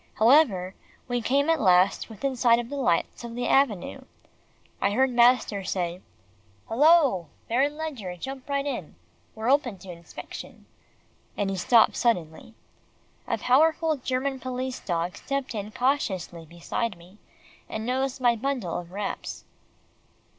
However, we came at last within sight of the lights of the avenue. I heard master say, "Hello! Baron Ledgar, jump right in. We're open to inspection," and he stopped suddenly. A powerful German police dog stepped in cautiously beside me, and nosed my bundle of wraps.